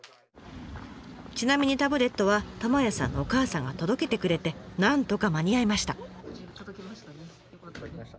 ちなみにタブレットは玉舎さんのお母さんが届けてくれてなんとか間に合いました。